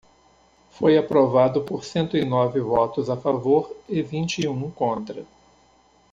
Foi aprovado por cento e nove votos a favor e vinte e um contra.